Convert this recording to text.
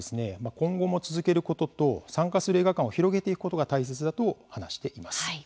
今後も続けることと参加する映画館を広げていくことが大切だと話しています。